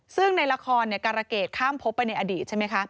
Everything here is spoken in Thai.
ซึ่งในละครการะเกดข้ามพบไปในอดีตใช่ไหมคะ